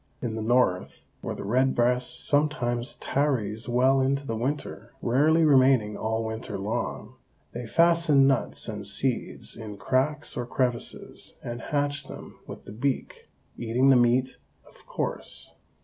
In the North, where the red breast sometimes tarries well into the winter, rarely remaining all winter long, they fasten nuts and seeds in cracks or crevices and hatch them with the beak, eating the meat, of course.